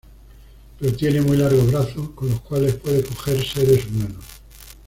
Pero tiene muy largos brazos con los cuales puede coger seres humanos.